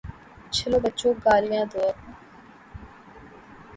چلو بچو، گالیاں دو اب۔